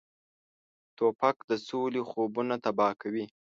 توپک د سولې خوبونه تباه کوي.